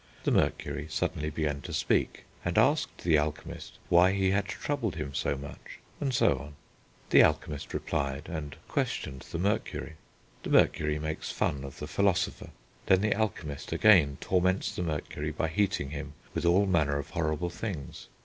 The Mercury suddenly began to speak, and asked the Alchemist why he had troubled him so much, and so on. The Alchemist replied, and questioned the Mercury. The Mercury makes fun of the philosopher. Then the Alchemist again torments the Mercury by heating him with all manner of horrible things.